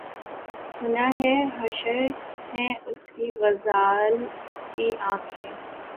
سُنا ہے حشر ہیں اُس کی غزال سی آنکھیں